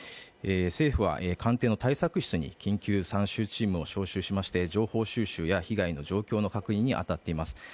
政府は官邸の対策室に緊急参集チームを招集しまして情報収集や被害の状況の確認を行っています。